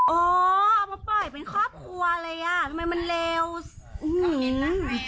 โอ้โห